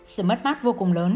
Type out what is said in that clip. sự mất mát vô cùng lớn